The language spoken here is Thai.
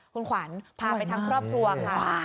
คุณขวัญพาไปทั้งครอบครัวค่ะ